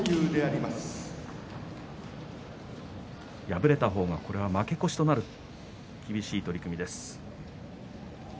敗れた方がこれで負け越しとなる厳しい取組です。